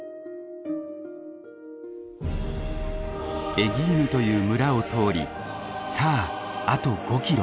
エギーヌという村を通りさああと５キロ。